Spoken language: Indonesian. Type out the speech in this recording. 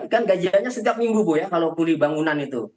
kan gajiannya setiap minggu bu ya kalau pulih bangunan itu